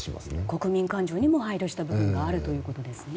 国民感情にも配慮した部分があるということですね。